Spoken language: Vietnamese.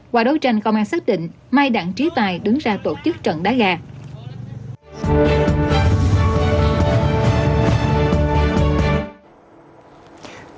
qua đấu tranh công an xác định mai đặng trí tài đứng ra tổ chức trận đá gà